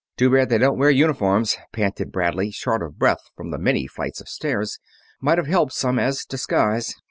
"Too bad they don't wear uniforms," panted Bradley, short of breath from the many flights of stairs. "Might have helped some as disguise."